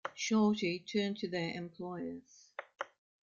Shorty turned to their employers.